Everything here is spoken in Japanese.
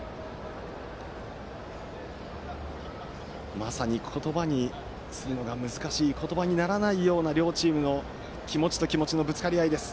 まさに、言葉にするのが難しい言葉にならないような両チームの気持ちと気持ちのぶつかり合いです。